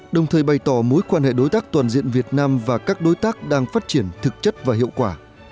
đồng thời bày tỏ mối quan hệ đối tác toàn diện việt nam và các đối tác đang phát triển thực chất và hiệu quả